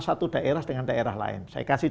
satu daerah dengan daerah lain saya kasih